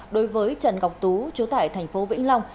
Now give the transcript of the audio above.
đối với trần ngọc tú chú tải tp vĩnh long